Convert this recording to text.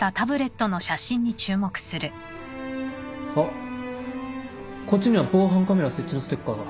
あっこっちには防犯カメラ設置のステッカーが。